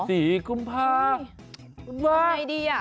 ทำยังไงอ่ะ